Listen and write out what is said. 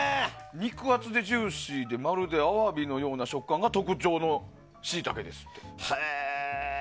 肉厚でジューシーでまるでアワビのような食感が特徴のシイタケです。